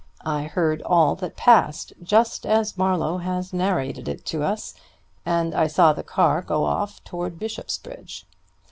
I heard all that passed just as Marlowe has narrated it to us, and I saw the car go off towards Bishopsbridge.